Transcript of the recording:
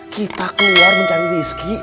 kita keluar mencari rezeki